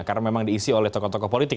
karena memang diisi oleh tokoh tokoh politik